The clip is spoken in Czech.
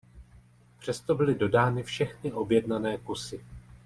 Přesto byly dodány všechny objednané kusy.